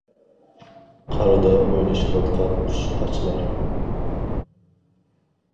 قاردا ئوينىشىۋاتقان قۇشقاچلار.